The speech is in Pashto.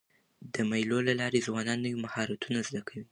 د مېلو له لاري ځوانان نوي مهارتونه زده کوي.